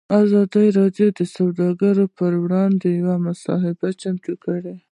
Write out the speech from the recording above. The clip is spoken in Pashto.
ازادي راډیو د سوداګري پر وړاندې یوه مباحثه چمتو کړې.